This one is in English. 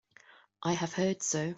I have heard so.